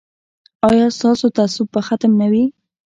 ایا ستاسو تعصب به ختم نه وي؟